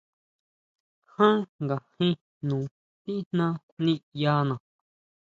Ján ngajin jno tijna niʼyana.